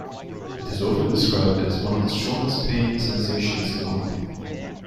It is often described as one of the strongest pain sensations known.